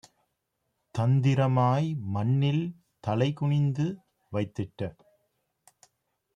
தந்திரமாய் மண்ணில் தலைகுனிந்து வைத்திட்ட